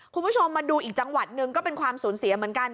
คุณผู้ชมมาดูอีกจังหวัดหนึ่งก็เป็นความสูญเสียเหมือนกัน